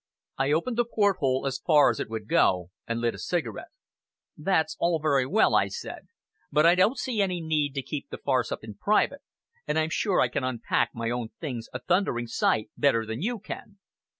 I opened the port hole as far as it would go, and lit a cigarette. "That's all very well," I said; "but I don't see any need to keep the farce up in private, and I'm sure I can unpack my own things a thundering sight better than you can."